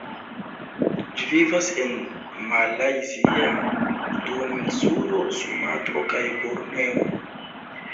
Ĝi vivas en Malajzia Duoninsulo, Sumatro kaj Borneo.